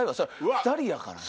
２人やからな。